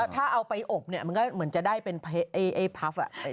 ถ้าเอาไปอบเนี่ยมันก็เหมือนจะได้เป็นไอ้พับ